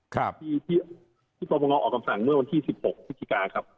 ครับที่โปรปรงรออกับสั่งเมื่อวันที่๑๖พกครับ